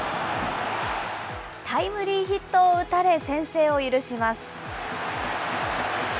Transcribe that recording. タイムリーヒットを打たれ、先制を許します。